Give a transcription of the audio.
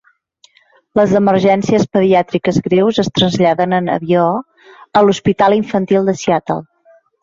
Les emergències pediàtriques greus es traslladen en avió a l'Hospital Infantil de Seattle.